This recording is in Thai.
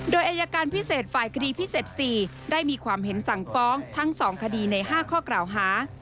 โดยอายการพิเศษฝ่ายคดีพิเศษ๔ได้มีความเห็นสั่งฟ้องทั้ง๒คดีใน๕ข้อกล่าวหา